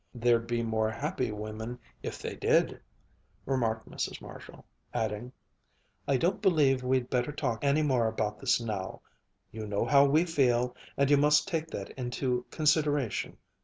"There'd be more happy women if they did," remarked Mrs. Marshall, adding: "I don't believe we'd better talk any more about this now. You know how we feel, and you must take that into consideration.